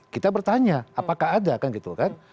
kita bertanya apakah ada kan gitu kan